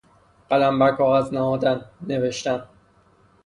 قلم بر کاغذ نهادن، نوشتن